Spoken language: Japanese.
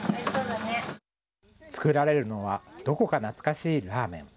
作られるのはどこか懐かしいラーメン。